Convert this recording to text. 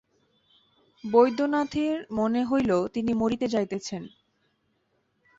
বৈদ্যনাথের মনে হইল তিনি মরিতে যাইতেছেন।